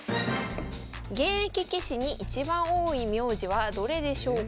現役棋士に一番多い名字はどれでしょうか？